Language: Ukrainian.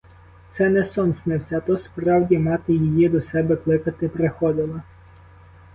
Це не сон снився, а то справді мати її до себе кликати приходила.